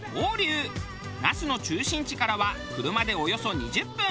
那須の中心地からは車でおよそ２０分。